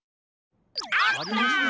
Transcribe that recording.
あった！